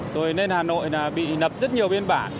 rồi nên hà nội bị nập rất nhiều biên bản